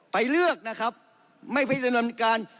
เลือกนะครับไม่ไปดำเนินการ